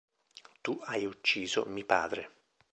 Tu hai ucciso mi padre.